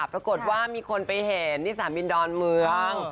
บอกว่ามีคนไปเห็นนี่สามินดอนเมือง